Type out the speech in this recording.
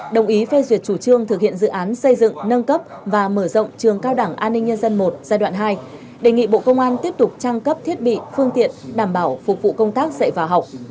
đồng ý phê duyệt chủ trương thực hiện dự án xây dựng nâng cấp và mở rộng trường cao đảng an ninh nhân dân một giai đoạn hai đề nghị bộ công an tiếp tục trang cấp thiết bị phương tiện đảm bảo phục vụ công tác dạy và học